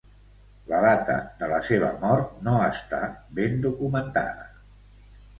La data de la seva mort no està ben documentada.